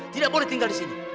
tidak boleh tinggal disini